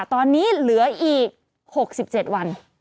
ตอนนี้เหลืออีก๖๗วัน